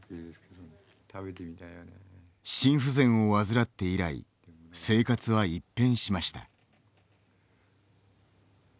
心不全を患って以来生活は一変しました。